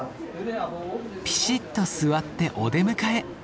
ピシッと座ってお出迎え。